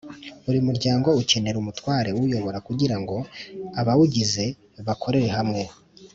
Buri muryango ukenera umutware uwuyobora kugira ngo abawugize bakorere hamwe